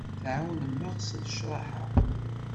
Tɛawen-aɣ s lecraha.